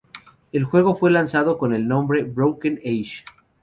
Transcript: El juego fue lanzado con el nombre "Broken Age.